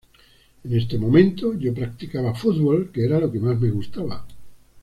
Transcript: En ese momento, yo practicaba fútbol, que era lo que más me gustaba.